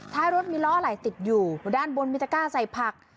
ท้ายรถมีล้อไหล่ติดอยู่ด้านบนมีตะก้าใส่ผัก